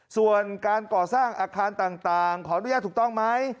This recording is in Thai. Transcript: ส่วนการก่อสร้างอาคารต่างขออนุญาตถูกต้องไหม